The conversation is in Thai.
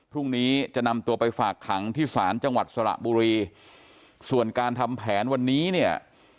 พรุ่งนี้จะนำตัวไปฝากขังที่ศาลจังหวัดสระบุรีส่วนการทำแผนวันนี้เนี่ย